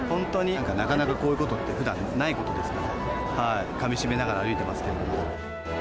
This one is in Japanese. なんかなかなかこういうことってふだんないことですから、かみしめながら歩いてますけれども。